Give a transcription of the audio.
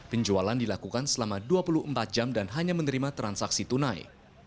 penjualan dilakukan selama dua puluh empat jam dan hanya menerima transaksi tunai